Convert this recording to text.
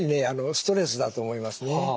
ストレスだと思いますね。